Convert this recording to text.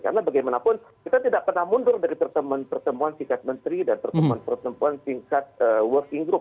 karena bagaimanapun kita tidak pernah mundur dari pertemuan pertemuan sikap menteri dan pertemuan pertemuan singkat working group